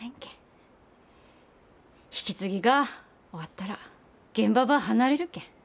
引き継ぎが終わったら現場ば離れるけん。